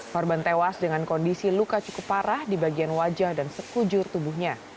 korban tewas dengan kondisi luka cukup parah di bagian wajah dan sekujur tubuhnya